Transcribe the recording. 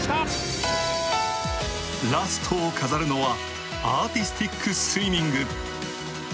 ラストを飾るのはアーティスティックスイミング。